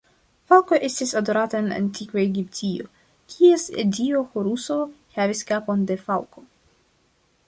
Falko estis adorata en antikva Egiptio, kies dio Horuso havis kapon de falko.